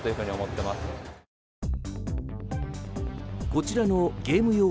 こちらのゲーム用